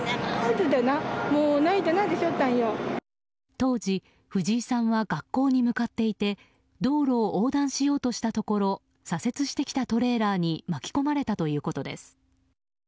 当時、藤井さんは学校に向かっていて道路を横断しようとしたところ左折してきたトレーラーに巻き込まれたということです。